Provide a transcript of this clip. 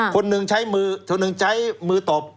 คนหนึ่งใช้มือคนหนึ่งใช้มือตบ